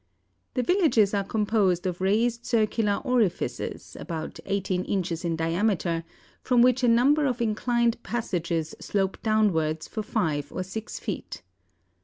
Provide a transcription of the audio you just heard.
The villages are composed of raised circular orifices, about eighteen inches in diameter, from which a number of inclined passages slope downwards for five or six feet.